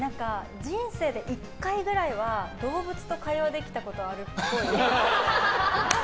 人生で１回ぐらいは動物と会話できたことあるっぽい。